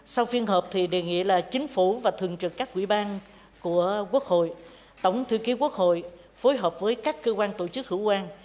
sau phiên họp thì đề nghị là chính phủ và thường trực các quỹ ban của quốc hội tổng thư ký quốc hội phối hợp với các cơ quan tổ chức hữu quan